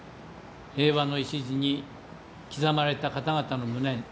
平和の礎に刻まれた方々の無念。